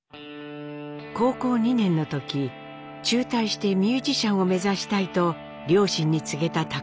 高校２年の時中退してミュージシャンを目指したいと両親に告げた貴教。